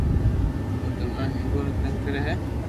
او آتما ھينگون ني تنگ ڪري ھي